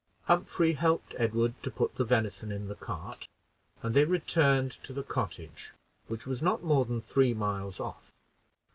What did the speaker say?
Humphrey helped Edward to put the venison in the cart, and they returned to the cottage, which was not more than three miles off.